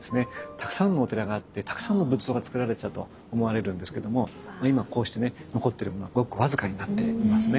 たくさんのお寺があってたくさんの仏像がつくられてたと思われるんですけども今こうしてね残ってるものはごく僅かになっていますね。